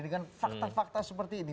dengan fakta fakta seperti ini